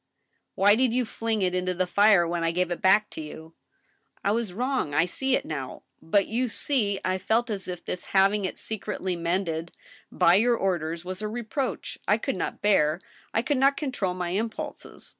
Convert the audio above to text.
" Why did you fling it into the fire when I gave it back to you ?"" I was wrong. I see it now. But you see I felt as if this hav ing it secretly mended, by your orders, was a reproach I could not bear. I could not control my impulses.